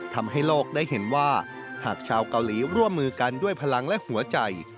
ทำให้โลกได้เห็นว่าหากชาวเกาหลีร่วมมือกันด้วยพลังและหัวใจ